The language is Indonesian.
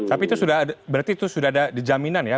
tapi itu sudah berarti itu sudah ada jaminan ya